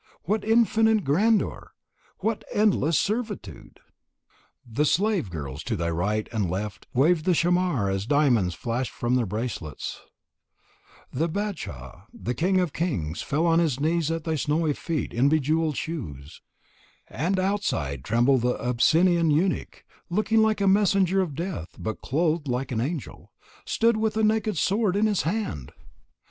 What infinite grandeur, what endless servitude! The slave girls to thy right and left waved the chamar as diamonds flashed from their bracelets; the Badshah, the king of kings, fell on his knees at thy snowy feet in bejewelled shoes, and outside the terrible Abyssinian eunuch, looking like a messenger of death, but clothed like an angel, stood with a naked sword in his hand!